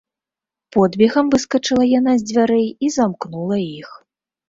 Подбегам выскачыла яна з дзвярэй і замкнула іх.